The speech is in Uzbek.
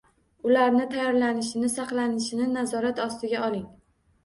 Ularni tayyorlanishi, saqlanishini nazorat ostiga oling